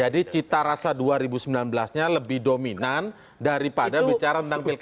jadi cita rasa dua ribu sembilan belas nya lebih dominan daripada bercampur